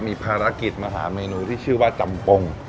มีภารกิจมาหาเมนูที่ชื่อว่าจำปง